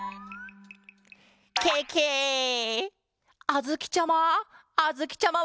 あづきちゃま！